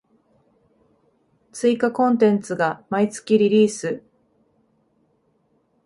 追加コンテンツが毎月リリース